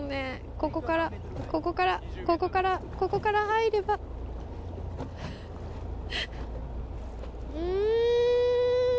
ここからここからここからここから入ればうん！